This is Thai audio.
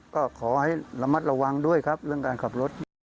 ก็ขอให้ระมัดระวังด้วยครับเรื่องการขับรถ